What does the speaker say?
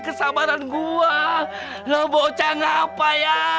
kesabaran gua ngebocan apa ya